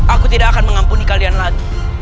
aku tidak akan mengampuni kalian lagi